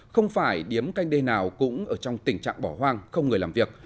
không phải điếm canh đê nào cũng ở trong tình trạng bỏ hoang không người làm việc